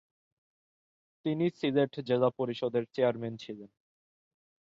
তিনি সিলেট জেলা পরিষদের চেয়ারম্যান ছিলেন।